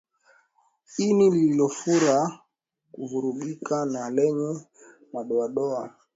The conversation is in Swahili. Ini lililofura kuvurugika na lenye madoadoa